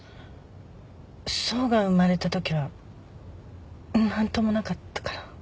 想が生まれたときは何ともなかったから。